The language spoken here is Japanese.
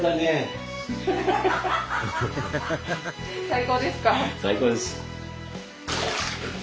最高ですか？